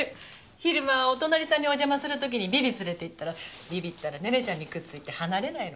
昼間お隣さんにお邪魔する時にビビ連れていったらビビったらネネちゃんにくっついて離れないの。